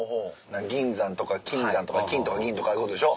銀山とか金山とか金と銀とかああいうことでしょ。